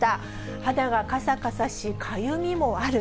肌がかさかさし、かゆみもある。